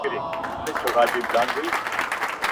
په نړۍ کي زموږ د توري شور ماشور وو.!